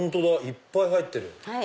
いっぱい入ってる。